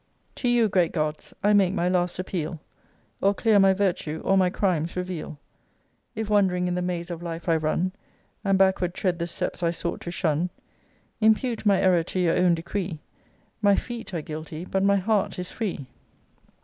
To you, great gods! I make my last appeal: Or clear my virtue, or my crimes reveal. If wand'ring in the maze of life I run, And backward tread the steps I sought to shun, Impute my error to your own decree: My FEET are guilty: but my HEART is free.